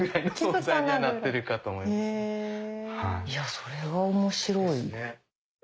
それは面白い。